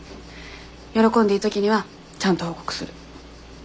喜んでいい時にはちゃんと報告する。